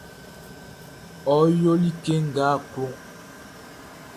Ok yo like nʼga a klo.